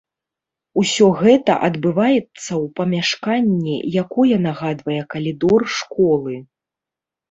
Усё гэта адбываецца ў памяшканні, якое нагадвае калідор школы.